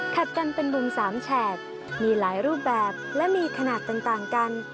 กันเป็นมุม๓แฉกมีหลายรูปแบบและมีขนาดต่างกัน